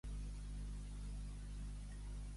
Qui va ajudar a Alf a buscar a Alfhild?